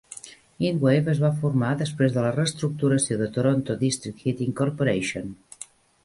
Enwave es va formar després de la reestructuració de Toronto District Heating Corporation.